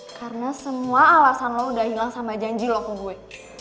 karena semua alasan lo udah hilang sama janji lo ke gue